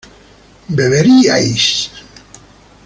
beberíais